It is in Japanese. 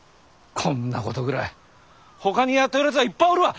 こんなことぐらいほかにやっとるやつはいっぱいおるわ！